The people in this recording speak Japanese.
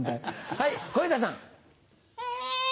はい小遊三さん。